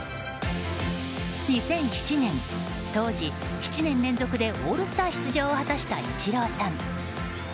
２００７年、当時７年連続でオールスター出場を果たしたイチローさん。